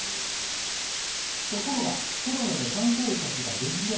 ところが、コロナで観光客が激減。